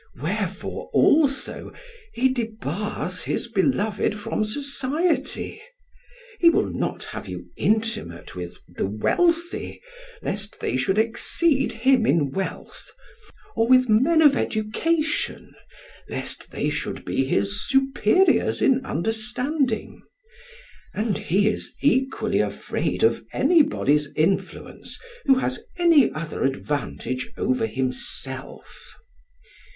Wherefore also he debars his beloved from society; he will not have you intimate with the wealthy, lest they should exceed him in wealth, or with men of education, lest they should be his superiors in understanding; and he is equally afraid of anybody's influence who has any other advantage over himself.